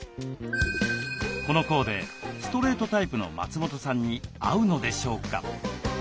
このコーデストレートタイプの松本さんに合うのでしょうか？